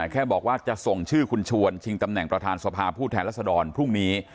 แค่บอกว่าจะส่งชื่อคุณชวนชิงตำแหน่งประธานสภาผู้แทนรัศดรพรุ่งนี้